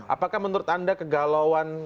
apakah menurut anda kegalauan